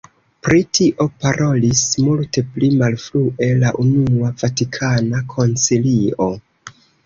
Pri tio parolis multe pli malfrue la Unua Vatikana Koncilio.